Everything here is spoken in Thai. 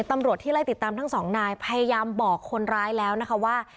ตำรวจที่ไล่ติดตามทั้งสองนายพยายามบอกคนร้ายแล้วนะคะว่า